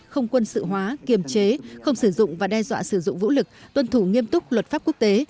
không quân sự hóa kiềm chế không sử dụng và đe dọa sử dụng vũ lực tuân thủ nghiêm túc luật pháp quốc tế